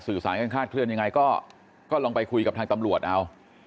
สื่อสารข้างเคลื่อนอย่างไรก็ลองไปคุยกับทางตำรวจเอา